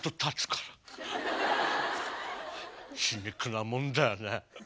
皮肉なもんだよね。